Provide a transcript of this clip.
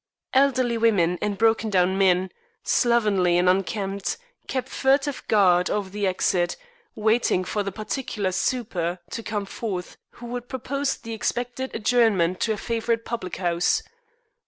Elderly women and broken down men, slovenly and unkempt, kept furtive guard over the exit, waiting for the particular "super" to come forth who would propose the expected adjournment to a favorite public house.